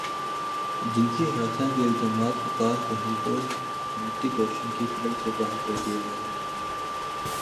جنسی ہراساں کے الزامات وکاس بہل کو ہریتھک روشن کی فلم سے باہر کردیا گیا